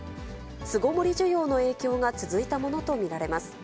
巣ごもり需要の影響が続いたものと見られます。